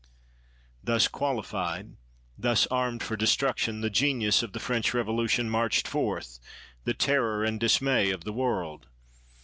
Thus qualified, thus armed for destruction, the genius of the French Revo lution marched forth, the terror and dismay of the world.